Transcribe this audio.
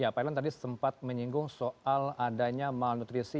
ya pak ilan tadi sempat menyinggung soal adanya malnutrisi